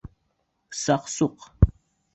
...Саҡ-Суҡ!